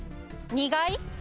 にがい？